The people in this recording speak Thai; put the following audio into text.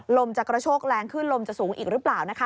ลมจะกระโชกแรงขึ้นลมจะสูงอีกหรือเปล่านะคะ